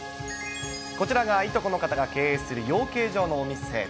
こちらがいとこの方が経営する養鶏場のお店。